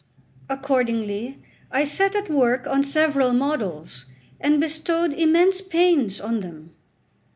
Accordingly I set at work on several models, and bestowed immense pains on them.